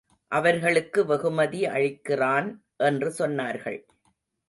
அவர்களுக்கு வெகுமதி அளிக்கிறான் என்று சொன்னார்கள்.